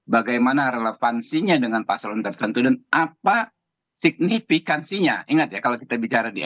bagaimana relevansinya dengan paslon tertentu dan apa signifikansinya ingat ya kalau kita bicara di